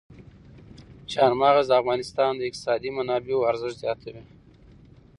چار مغز د افغانستان د اقتصادي منابعو ارزښت زیاتوي.